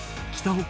北